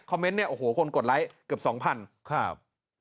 คอมเมนต์เนี่ยโอ้โหคนกดไลค์เกือบ๒๐๐๐